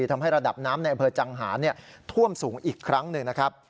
ทำให้ระดับน้ำในอำเภอจังหารท่วมสูงอีกครั้งหนึ่งนะครับ